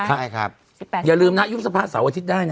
ใช่ครับอย่าลืมนะยุบสภาเสาร์อาทิตย์ได้นะ